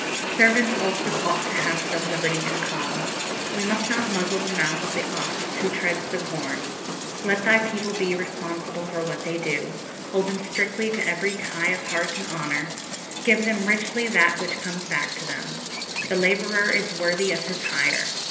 "Servants also ought to have some liberty and calm. We must not muzzle the mouth of the ox who treads the corn. Let thy people be responsible for what they do; hold them strictly to every tie of heart and honour; give them richly that which comes back to them. The labourer is worthy of his hire.